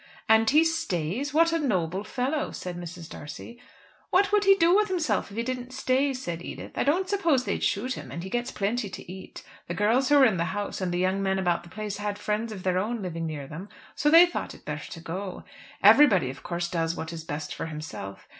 "And he stays? What a noble fellow," said Mrs. D'Arcy. "What would he do with himself if he didn't stay?" said Edith. "I don't suppose they'd shoot him, and he gets plenty to eat. The girls who were in the house and the young men about the place had friends of their own living near them, so they thought it better to go. Everybody of course does what is best for himself.